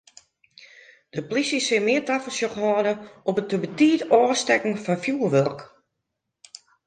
De polysje sil mear tafersjoch hâlde op it te betiid ôfstekken fan fjurwurk.